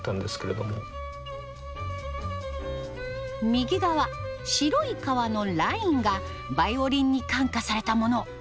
右側白い革のラインがバイオリンに感化されたもの。